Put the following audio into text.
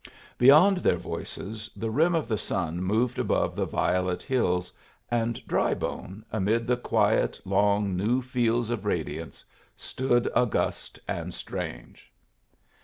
Beyond their voices the rim of the sun moved above the violet hills, and Drybone, amid the quiet, long, new fields of radiance, stood august and strange.